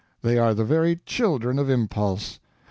They are the very children of impulse.